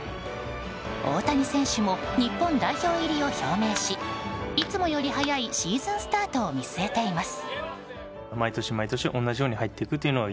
大谷選手も日本代表入りを表明しいつもより早いシーズンスタートを見据えています。